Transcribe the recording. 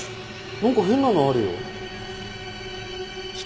なんか変なのあるよ。